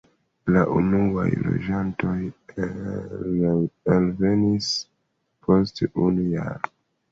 La unuaj loĝantoj alvenis post unu jaro.